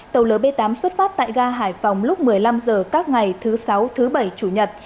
tàu lb tám xuất phát tại ga hải phòng lúc một mươi năm h các ngày thứ sáu thứ bảy chủ nhật